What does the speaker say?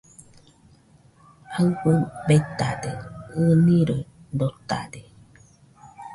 Aɨfɨ betade, ɨniroi dotade